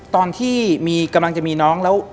ตอนที่กำลังจะมีน้อง